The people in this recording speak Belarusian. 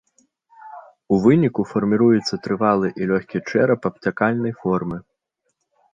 У выніку фарміруецца трывалы і лёгкі чэрап абцякальнай формы.